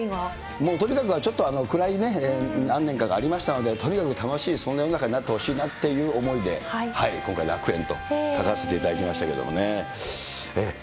もうとにかく、ちょっと暗いね、何年かがありましたので、とにかく楽しい、そんな世の中になってほしいなという思いで、今回楽園と書かせていただきましたけれどもね。